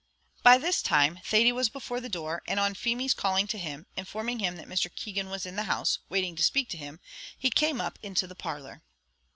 By this time Thady was before the door, and on Feemy's calling to him, informing him that Mr. Keegan was in the house, waiting to speak to him, he came up into the parlour.